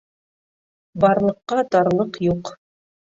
Барлыҡҡа тарлыҡ юҡ.